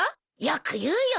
よく言うよ。